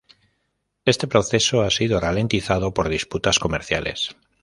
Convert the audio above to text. Este proceso ha sido ralentizado por disputas comerciales.